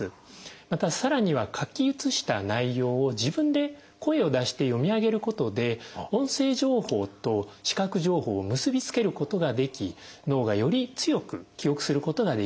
またさらには書き写した内容を自分で声を出して読み上げることで音声情報と視覚情報を結び付けることができ脳がより強く記憶することができると。